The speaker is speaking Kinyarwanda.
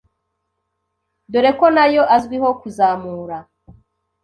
dore ko nayo azwiho kuzamura